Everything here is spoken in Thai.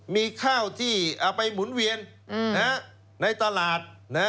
มีข้าวที่เอาไปหมุนเวียนในตลาด